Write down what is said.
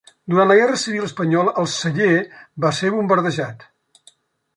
Durant la guerra civil espanyola el celler va ser bombardejat.